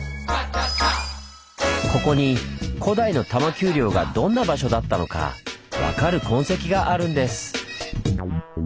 ここに古代の多摩丘陵がどんな場所だったのか分かる痕跡があるんです。